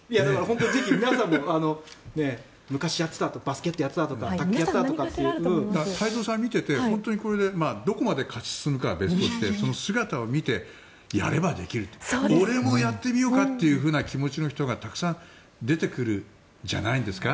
ぜひ皆さんも昔やっていたバスケやってたとか太蔵さんを見てて本当にどこまで勝ち進むかは別にしてその姿を見て、やればできる俺もやってみようかなというふうな気持ちの人がたくさん出てくるんじゃないですか。